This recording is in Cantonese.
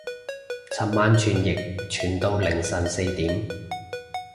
尋晚傳譯傳到凌晨四點